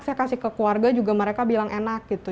saya kasih ke keluarga juga mereka bilang enak gitu